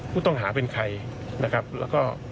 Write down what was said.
ผู้ต้องหาเป็นใครแล้วก็รายละเอียด